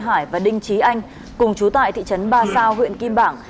hải và đinh trí anh cùng chú tại thị trấn ba sao huyện kim bảng